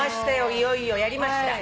いよいよやりました。